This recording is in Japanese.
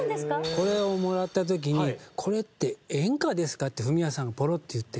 これをもらった時に「これって演歌ですか？」ってフミヤさんがポロッと言って。